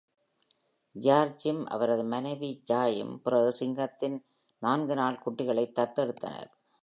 ஜியார்ஜும் அவரது மனைவி ஜாயும் பிறகு சிங்கத்தின் நான்கு நாள் குட்டிகளைத் தத்தெடுத்தனர்.